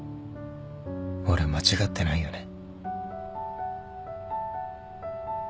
俺間違ってないよね